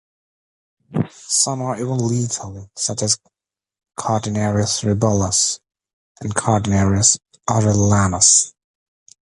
Some are even lethal, such as "Cortinarius rubellus" and "Cortinarius orellanus".